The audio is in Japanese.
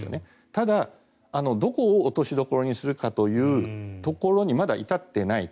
ただどこを落としどころにするかというところにまだ至ってないと。